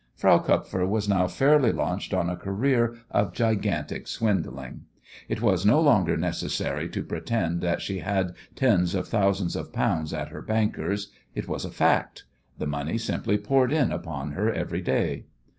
Frau Kupfer was now fairly launched on a career of gigantic swindling. It was no longer necessary to pretend that she had tens of thousands of pounds at her bankers. It was a fact. The money simply poured in upon her every day.